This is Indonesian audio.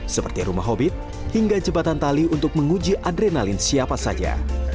seperti rumah hobit hingga jembatan tali untuk menguji adrenalin siapa saja